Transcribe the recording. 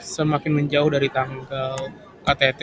semakin menjauh dari tanggal ktt